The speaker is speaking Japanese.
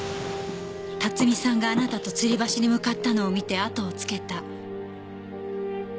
辰巳さんがあなたとつり橋に向かったのを見てあとをつけた。